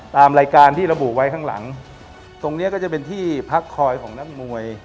ตามรายการที่ระบุไว้ข้างหลังตรงเนี้ยก็จะเป็นที่พักคอยของนักมวย